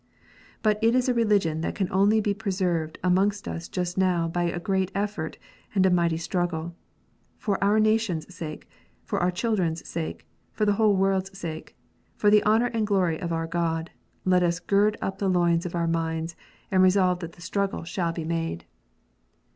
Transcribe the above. But it is a religion that can only be preserved amongst us just now by a great effort, and a mighty struggle. For our nation s sake, for our children s sake, for the world s sake, for the honour and glory of our God, let us gird up the loins of our minds, and resolve that the struggle shall be made.